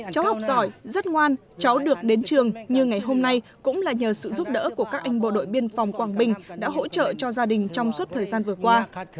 cháu học giỏi rất ngoan cháu được đến trường như ngày hôm nay cũng là nhờ sự giúp đỡ của các anh bộ đội biên phòng quảng bình đã hỗ trợ cho gia đình trong suốt thời gian vừa qua